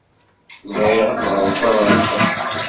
Bɣiɣ ad teɣreḍ tabrat-a.